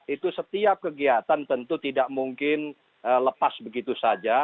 itu setiap kegiatan tentu tidak mungkin lepas begitu saja